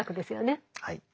はい。